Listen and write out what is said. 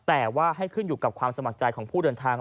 แต่ว่าให้ขึ้นอยู่กับความสมัครใจของผู้เดินทาง